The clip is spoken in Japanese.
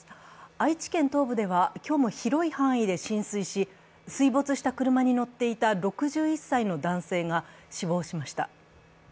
愛知県東部では今日も広い範囲で浸水し、水没した車に乗っていた６１歳男性が死亡しました。